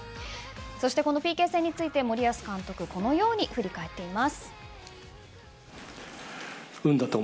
そして、このＰＫ戦について森保監督、このように振り返っています。